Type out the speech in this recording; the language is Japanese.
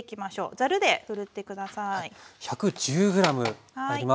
ざるでふるって下さい。